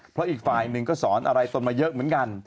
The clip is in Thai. เพราะอีกฝ่ายหนึ่งก็สอนอะไรตนมาเยอะเหมือนกัน